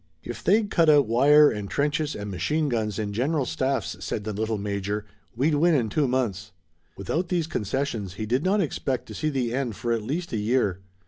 "If they'd cut out wire and trenches and machine guns and general staffs," said the little major, "we'd win in two months." Without these concessions he did not expect to see the end for at least a year.